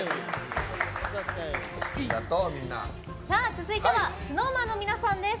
続いてはＳｎｏｗＭａｎの皆さんです。